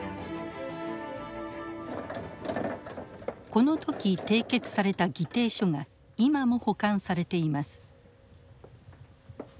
この時締結された議定書が今も保管されています。